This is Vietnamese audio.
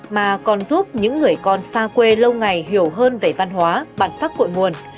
mà còn giúp những người con xa quê lâu ngày hiểu hơn về văn hóa bản sắc cội nguồn